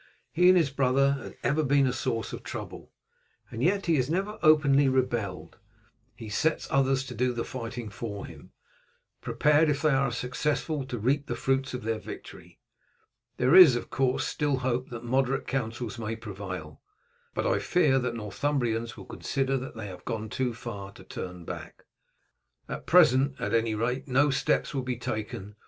He and his brother have ever been a source of trouble, and yet he has never openly rebelled; he sets others to do the fighting for him, prepared if they are successful to reap the fruits of their victory. There is, of course, still hope that moderate councils may prevail, but I fear that the Northumbrians will consider that they have gone too far to turn back. At present, at any rate, no steps will be taken.